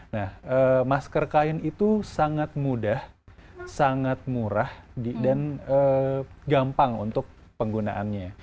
nah masker kain itu sangat mudah sangat murah dan gampang untuk penggunaannya